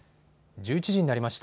１１時になりました。